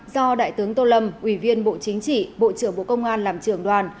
do đại tướng tô lâm ủy viên bộ chính trị bộ trưởng bộ công an làm trưởng đoàn